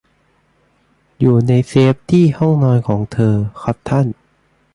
อยู่ในเซฟที่ห้องนอนของเธอ ครับท่าน